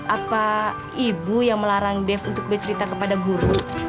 apa ibu yang melarang dev untuk bercerita kepada guru